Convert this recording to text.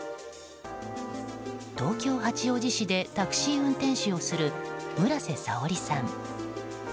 東京・八王子市でタクシー運転手をする村瀬沙織さん。